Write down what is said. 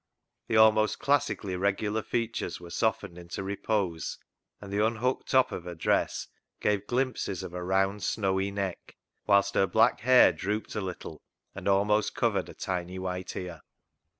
The almost classically regular features were softened into repose, and the unhooked top of her dress gave glimpses of a round snowy neck, whilst her black hair drooped a little, and almost covered a tiny white ear.